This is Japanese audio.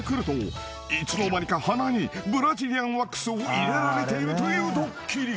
［いつの間にか鼻にブラジリアンワックスを入れられているというドッキリ］